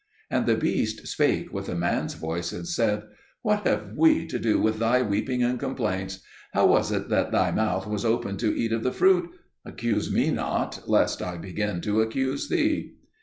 And the beast spake with a man's voice and said, "What have we to do with thy weeping and complaints? How was it that thy mouth was opened to eat of the fruit? Accuse me not, lest I begin to accuse thee."